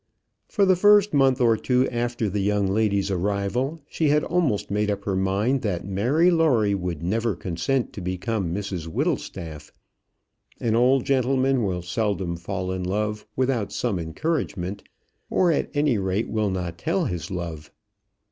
For the first month or two after the young lady's arrival, she had almost made up her mind that Mary Lawrie would never consent to become Mrs Whittlestaff. An old gentleman will seldom fall in love without some encouragement; or at any rate, will not tell his love.